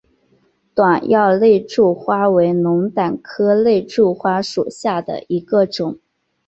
短药肋柱花为龙胆科肋柱花属下的一个种。